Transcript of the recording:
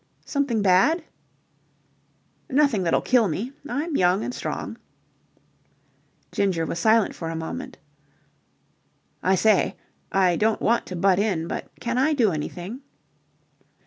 "Something bad?" "Nothing that'll kill me. I'm young and strong." Ginger was silent for a moment. "I say, I don't want to butt in, but can I do anything?"